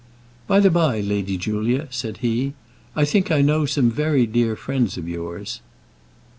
"By the by, Lady Julia," said he, "I think I know some very dear friends of yours."